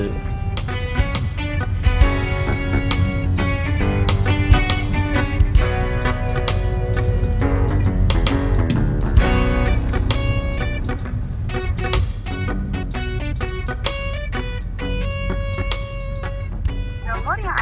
saya harus tahu saya sudah beli mobil